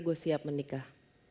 gue siap menikah